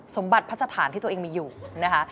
สมบัติพระสถานที่ตัวเองมีอยู่นะคะ